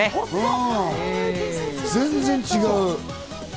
全然違う！